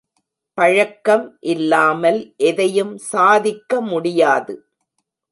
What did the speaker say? பழக்கம் இல்லாமல் எதையும் சாதிக்க முடியாது.